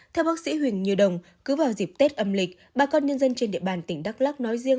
theo bác sĩ huỳnh như đồng cứ vào dịp tết âm lịch bà con nhân dân trên địa bàn tỉnh đắk lắc nói riêng